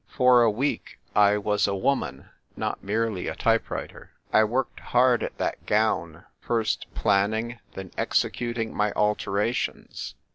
For a week I was a woman, not merely a type writer. I worked hard at that gown, first planning, then executing my alterations.